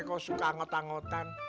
kan suka ngotan ngotan